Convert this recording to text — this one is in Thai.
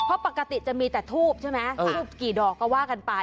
เพราะปกติจะมีแต่ทูบใช่ไหมทูบกี่ดอกก็ว่ากันไป